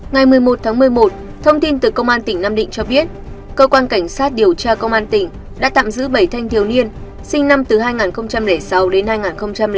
ngày một mươi một tháng một mươi một thông tin từ công an tỉnh nam định cho biết cơ quan cảnh sát điều tra công an tỉnh đã tạm giữ bảy thanh thiếu niên sinh năm hai nghìn sáu đến hai nghìn sáu